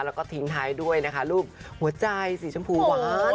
แล้วก็ทิ้งท้ายด้วยนะคะรูปหัวใจสีชมพูหวาน